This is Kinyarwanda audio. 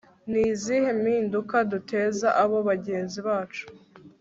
ni izihe mpinduka duteza abo bagenzi bacu